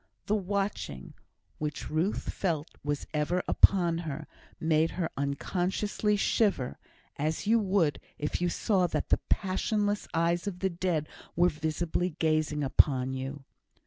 The watching, which Ruth felt was ever upon her, made her unconsciously shiver, as you would if you saw that the passionless eyes of the dead were visibly gazing upon you.